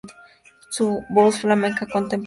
Voz flamenca contemporánea.